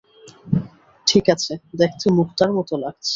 ঠিক আছে, দেখতে মুক্তার মতো লাগছে।